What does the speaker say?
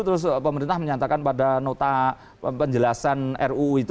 terus pemerintah menyatakan pada nota penjelasan ruu itu